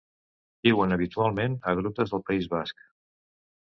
Viuen habitualment a grutes del País basc.